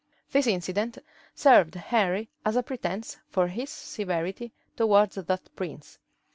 This incident served Henry as a pretence for his severity towards that prince.